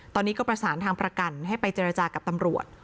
ตอนนี้ก็ประสานทางประกันให้ไปเจรจากับตำรวจ